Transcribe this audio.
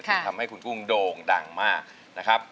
ทำให้คุณกุ้งโด่งดังมากนะครับ